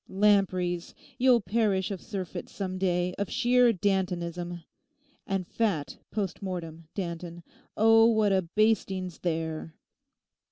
Lampreys! You'll perish of surfeit some day, of sheer Dantonism. And fat, postmortem, Danton. Oh, what a basting's there!